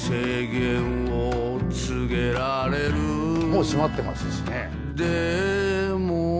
もう閉まってますしね。